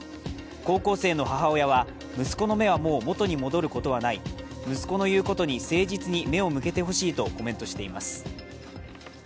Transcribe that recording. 高校生の母親は、息子の目はもう元に戻ることはない息子の言うことに誠実に目を向けてほしいとコメントしています。